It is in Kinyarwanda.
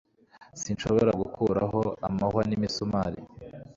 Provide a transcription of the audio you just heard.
sinshobora gukuraho amahwa n'imisumari